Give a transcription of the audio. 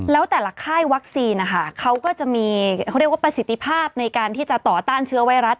แล้วแต่ละค่ายวัคซีนเขาก็จะมีประสิทธิภาพในการที่จะต่อต้านเชื้อไวรัส